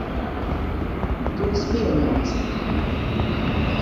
Tu esi pieņemts.